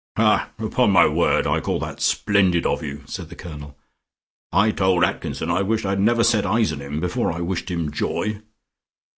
'" "Ha! Upon my word, I call that splendid of you," said the Colonel. "I told Atkinson I wished I had never set eyes on him, before I wished him joy."